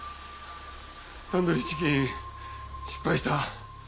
タンドリーチキン失敗した。